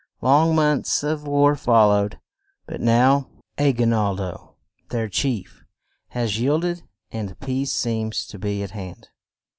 Long months of war fol lowed, but now, A gui nal do, their chief, has yield ed and peace seems to be at hand.